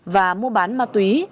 và mua bán ma túy